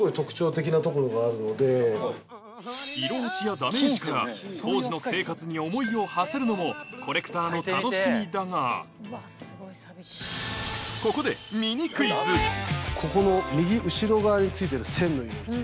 あと。から当時の生活に思いをはせるのもコレクターの楽しみだがここでここの右後ろ側についてる線の色落ち